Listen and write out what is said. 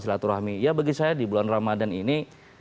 selatu rahmi ya bagi saya di bulan ramadan ini